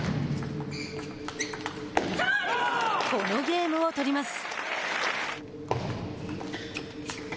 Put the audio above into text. このゲームを取ります。